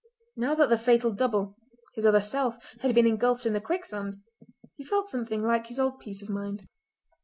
Now that the fatal double—his other self—had been engulfed in the quicksand he felt something like his old peace of mind.